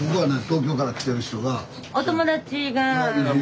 東京から来てる人が。